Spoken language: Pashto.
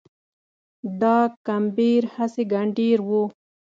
ډاګ کمبېر هسي ګنډېر و